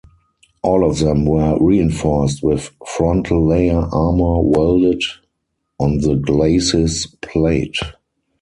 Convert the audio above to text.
All of them were reinforced with frontal layer armor welded on the glacis plate.